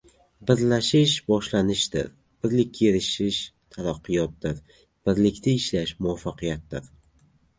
• Birlashish boshlanishdir, birlikka erishish taraqqiyotdir, birlikda ishlash muvaffaqiyatdir.